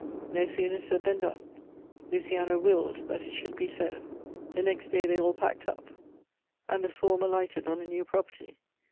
No sooner said than done. Luci ana willed that it should be so. The next day they all packed up and the swarm alighted on a new property.